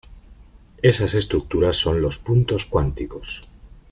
Esas estructuras son los puntos cuánticos.